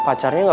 apakah ini cinta